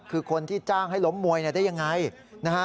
คือคนที่จ้างให้ล้มมวยได้ยังไงนะฮะ